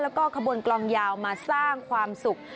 แล้วก็ขบวนกลองยาวมาสร้างความสุข